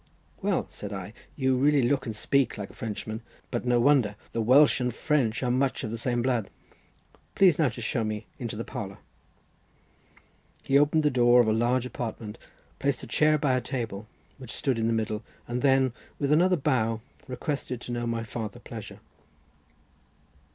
"Well," said I, "you really look and speak like a Frenchman, but no wonder; the Welsh and French are much of the same blood. Please now to show me into the parlour." He opened the door of a large apartment, placed a chair by a table which stood in the middle, and then with another bow requested to know my farther pleasure.